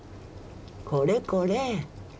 これこれ。